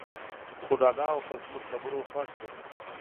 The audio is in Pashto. خو ډاډه او په زموږ خبرو خوښ شول.